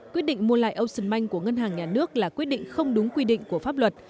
quyết định mua lại âu sơn manh của ngân hàng nhà nước là quyết định không đúng quy định của pháp luật